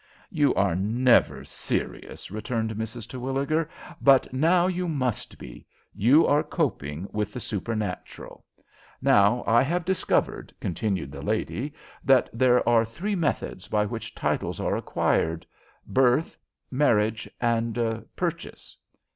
"You are never serious," returned Mrs. Terwilliger; "but now you must be. You are coping with the supernatural. Now I have discovered," continued the lady, "that there are three methods by which titles are acquired birth, marriage, and purchase."